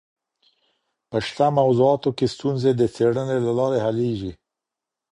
په شته موضوعاتو کي ستونزي د څېړني له لاري حلېږي.